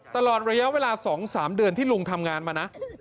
ตลอดระยะเวลา๒๓เดือนที่ลุงทำงานมานะ